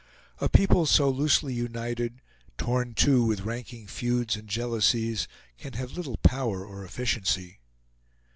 A people so loosely united, torn, too, with ranking feuds and jealousies, can have little power or efficiency.